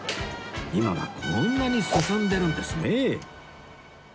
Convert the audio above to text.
今はこんなに進んでるんですね